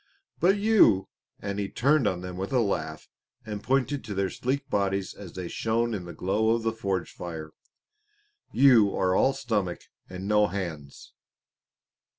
"But you," and he turned on them with a laugh and pointed to their sleek bodies as they shone in the glow of the forge fire, "you are all stomach and no hands."